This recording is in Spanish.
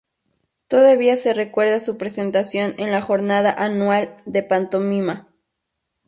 Todavía se recuerda su presentación en la jornada anual de pantomima.